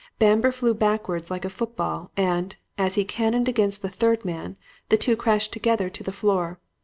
Bamber flew backwards like a football, and, as he cannoned against the third man, the two crashed together to the floor.